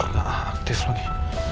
gak aktif lagi